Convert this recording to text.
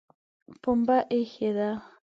پمبه ایښې ده